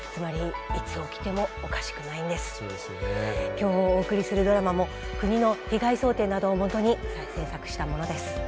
今日お送りするドラマも国の被害想定などをもとに制作したものです。